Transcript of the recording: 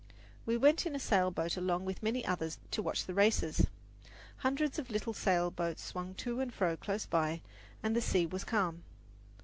We went in a sail boat along with many others to watch the races. Hundreds of little sail boats swung to and fro close by, and the sea was calm.